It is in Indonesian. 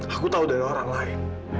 aku tahu dari orang lain